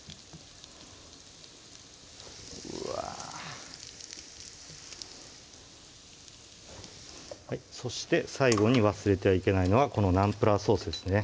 うわぁそして最後に忘れてはいけないのがこのナンプラーソースですね